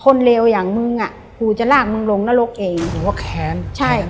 เลวอย่างมึงอ่ะกูจะลากมึงลงนรกเองหนูว่าแค้นใช่